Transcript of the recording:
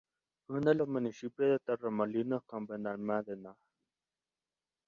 Une los municipios de Torremolinos con Benalmádena.